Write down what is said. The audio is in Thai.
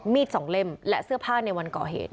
สองเล่มและเสื้อผ้าในวันก่อเหตุ